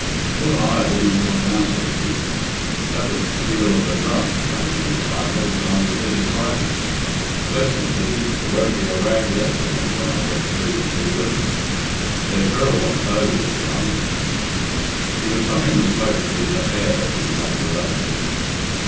"What an eye a woman's got now," said Pete. "That was the steel of the drum ragging me sideways when I was a bit excited. Bless me, Kitty, there won't be a rag left at me when I get through this everin'. They're ter'ble on clothes is drums." He was puffing the smoke through her hair as she knelt below him.